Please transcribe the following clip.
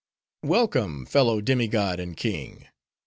"Welcome! fellow demi god, and king!